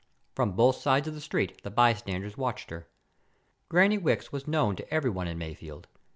From both sides of the street the bystanders watched her. Granny Wicks was known to everyone in Mayfield.